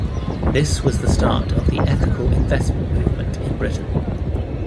This was the start of the ethical investment movement in Britain.